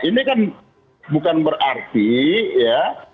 ini kan bukan berarti ya